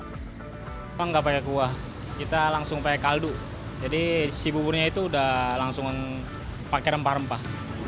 kita gak pake kuah kita langsung pake kaldu jadi si buburnya itu udah langsung pake rempah rempah